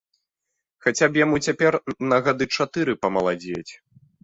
Хаця б яму цяпер на гады чатыры памаладзець.